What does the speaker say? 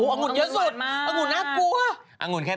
อังุธเยอะสุดอังุธน่ากลัว